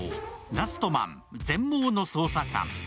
「ラストマン−全盲の捜査官−」